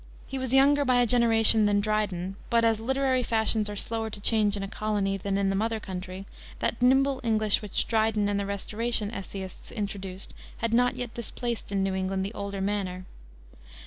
He was younger by a generation than Dryden; but as literary fashions are slower to change in a colony than in the mother country, that nimble English which Dryden and the Restoration essayists introduced had not yet displaced in New England the older manner.